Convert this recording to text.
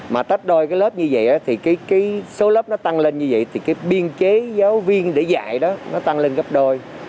mà tách đôi cái lớp như vậy thì cái số lớp nó tăng lên như vậy thì cái biên chế giáo viên để dạy đó nó tăng lên gấp đôi